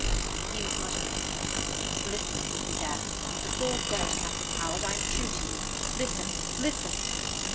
He was muttering: 'Listen if you be there! Before God, Katharine Howard, I am true to you. Listen! Listen!'